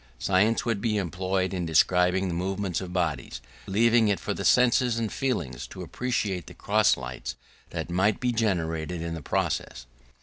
Science would be employed in describing the movements of bodies, leaving it for the senses and feelings to appreciate the cross lights that might be generated in the process.